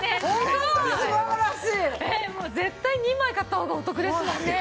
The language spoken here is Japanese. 絶対２枚買った方がお得ですもんね。